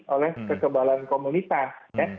oleh kekebalan komunitas